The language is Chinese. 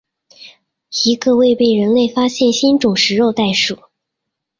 一个未被人类发现的新种食肉袋鼠。